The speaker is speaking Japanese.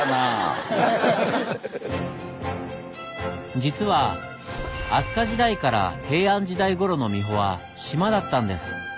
実は飛鳥時代から平安時代ごろの三保は島だったんです。